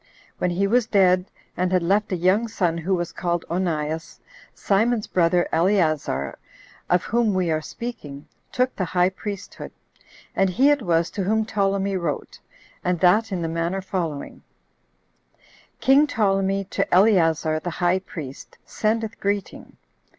When he was dead, and had left a young son, who was called Onias, Simon's brother Eleazar, of whom we are speaking, took the high priesthood; and he it was to whom Ptolemy wrote, and that in the manner following: "King Ptolemy to Eleazar the high priest, sendeth greeting.